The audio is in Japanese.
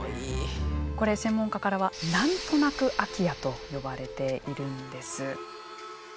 これ専門家からは「なんとなく空き家」と呼ばれているんです。